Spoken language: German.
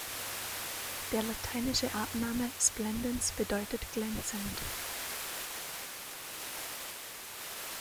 Der lateinische Artname "splendens" bedeutet „glänzend“.